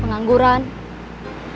pengangguran new skin dan lemah iman